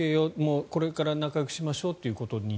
これから仲よくしましょうよということに？